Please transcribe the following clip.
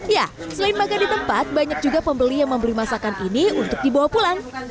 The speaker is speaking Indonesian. ya selain makan di tempat banyak juga pembeli yang membeli masakan ini untuk dibawa pulang